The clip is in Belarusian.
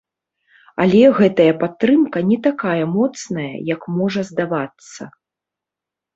Але гэтая падтрымка не такая моцная, як можа здавацца.